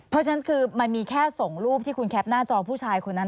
เพราะฉะนั้นคือมันมีแค่ส่งรูปที่คุณแคปหน้าจอผู้ชายคนนั้น